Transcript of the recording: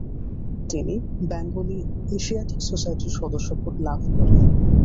তিনি বেঙ্গালি এশিয়াটিক সোসাইটির সদস্যপদ লাভ করেন।